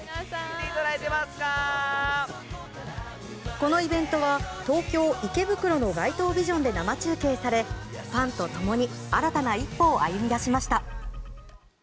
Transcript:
このイベントは東京・池袋の街頭ビジョンで生中継されファンと共に新たな一歩を歩み出しました。